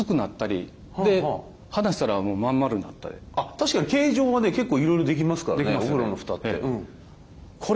確かに形状はね結構いろいろできますからねお風呂のフタって。